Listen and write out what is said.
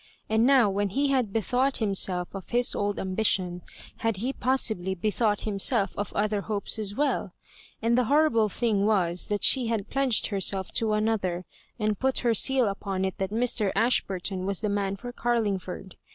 And now, when he had bethought himself of his old ambition, had he possibly bethought himself of other hopes as well ? And the horrible thing was, that she had pledged herself to another, and put her seal upon it that Mr. Ashburton was the man for Carlingford!